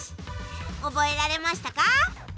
覚えられましたか？